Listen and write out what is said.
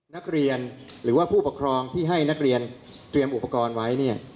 นักเรียนหรือว่าผู้ปกครองที่ให้นักเรียนเตรียมอุปกรณ์ไว้เนี่ย